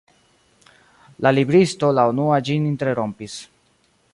La libristo la unua ĝin interrompis.